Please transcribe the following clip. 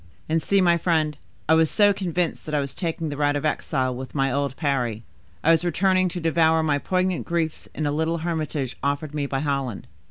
And see, my friend, I was so convinced, that I was taking the route of exile, with my old Parry; I was returning to devour my poignant griefs in the little hermitage offered me by Holland.